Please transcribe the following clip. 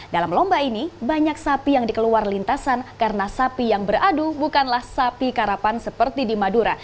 dalam lomba ini banyak sapi yang dikeluar lintasan karena sapi yang beradu bukanlah sapi karapan seperti di madura